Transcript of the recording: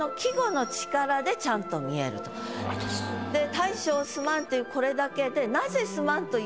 「大将すまん」というこれだけで。